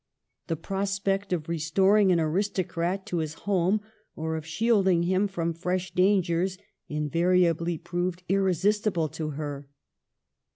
The prospect of restoring an aristocrat to his home, or of shielding him from fresh dangers, invariably proved irresistible to her.